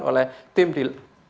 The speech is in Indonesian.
oleh tim di